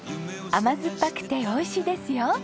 甘酸っぱくておいしいですよ！